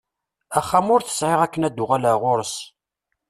Axxam ur t-sεiɣ akken ad uɣaleɣ ɣur-s.